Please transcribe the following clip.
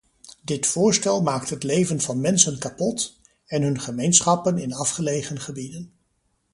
Dit voorstel maakt het leven van mensen kapot, en hun gemeenschappen in afgelegen gebieden.